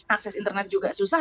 akses internet juga susah